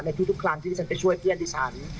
ทุกครั้งที่ฉันไปช่วยเพื่อนดิฉัน